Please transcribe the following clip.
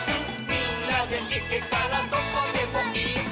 「みんなでいけたらどこでもイス！」